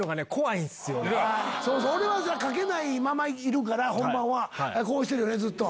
俺は掛けないままいるから本番はこうしてるよねずっと。